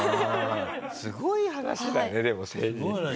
すごい話だねでも成人式。